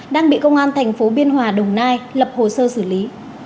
đang bị công an thành phố biên hòa đồng nai lập hồ sơ xử lý